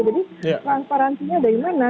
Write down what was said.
jadi transparansinya dari mana